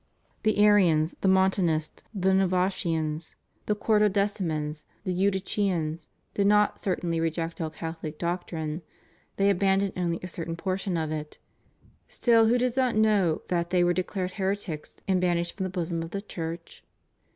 The Arians, the Montanists, the Novatians, the Quartodecimans, the Euty chians, did not certainly reject all Cathohc doctrine: they abandoned only a certain portion of it. Still who does not know that they were declared heretics and banished from the bosom of the Church?